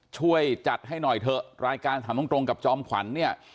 ช่วยจัดให้หน่อยเถอะรายการถามตรงกับจอมขวัญเนี่ย